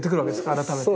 改めて。